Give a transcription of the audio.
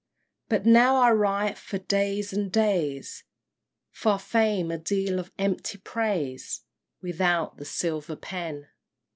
But now I write for days and days, For fame a deal of empty praise, Without the silver pen!